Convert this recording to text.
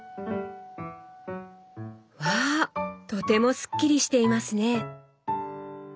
わあとてもスッキリしていますね。